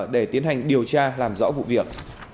để tiến hành điều tra làm rõ vụ việc